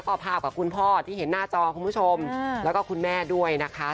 ก็ภาพกับคุณพ่อที่เห็นหน้าจอคุณผู้ชมแล้วก็คุณแม่ด้วยนะคะ